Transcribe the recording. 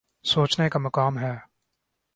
سوچنے کا مقام ہے۔